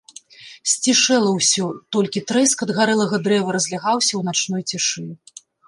Сцішэла ўсё, толькі трэск ад гарэлага дрэва разлягаўся ў начной цішы.